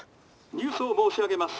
「ニュースを申し上げます。